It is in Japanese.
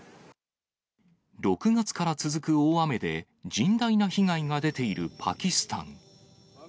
６月から続く大雨で、甚大な被害が出ているパキスタン。